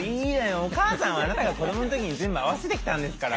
お母さんはあなたが子どもの時に全部合わせてきたんですから。